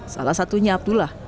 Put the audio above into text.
salah satunya abdullah